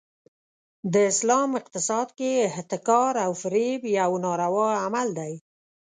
د اسلام اقتصاد کې احتکار او فریب یو ناروا عمل دی.